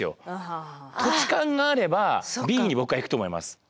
土地勘があればＢに僕は行くと思います。